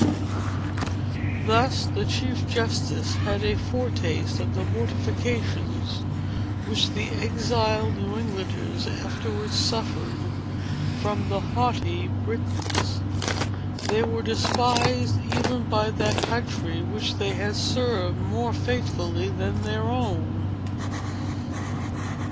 Thus, the chief justice had a foretaste of the mortifications which the exiled New Englanders afterwards suffered from the haughty Britons. They were despised even by that country which they had served more faithfully than their own.